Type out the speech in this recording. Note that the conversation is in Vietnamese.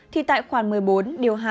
thì tại khoản một mươi bốn điều hai